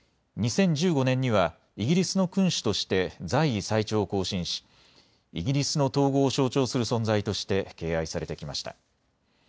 ２０１５年にはイギリスの君主として在位最長を更新しイギリスの統合を象徴する存在として敬愛されてきました。